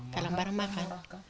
karena barang makan